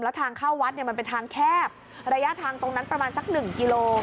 แล้วทางเข้าวัดเนี่ยมันเป็นทางแคบระยะทางตรงนั้นประมาณสักหนึ่งกิโล